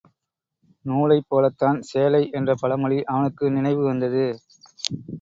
நூலைப் போலத்தான் சேலை என்ற பழமொழி அவனுக்கு நினைவு வந்தது.